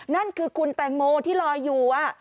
นั่นคือคุณแตงโมที่ลอยอยู่